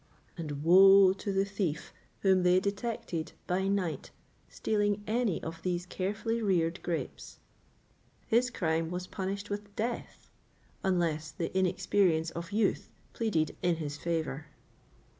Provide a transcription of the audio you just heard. [XXVIII 39] And woe to the thief whom they detected by night stealing any of these carefully reared grapes; his crime was punished with death, unless the inexperience of youth pleaded in his favour.